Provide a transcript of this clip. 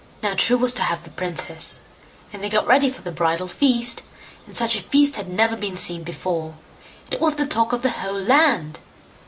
Now True was to have the princess, and they got ready for the bridal feast, and such a feast had never been seen before; it was the talk of the whole land.